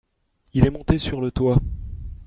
Il est monté sur le toit.